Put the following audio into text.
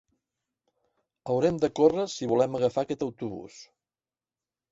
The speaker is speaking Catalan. Haurem de córrer si volem agafar aquest autobús.